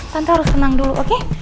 tante harus tenang dulu oke